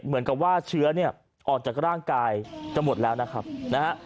เหมือนกับว่าเชื้อเนี่ยออกจากร่างกายจะหมดแล้วนะครับนะฮะ